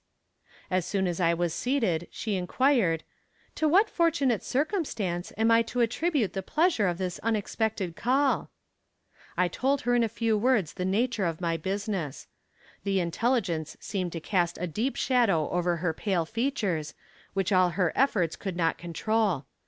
V's." As soon as I was seated she inquired: "To what fortunate circumstance am I to attribute the pleasure of this unexpected call?" I told her in a few words the nature of my business. The intelligence seemed to cast a deep shadow over her pale features, which all her efforts could not control.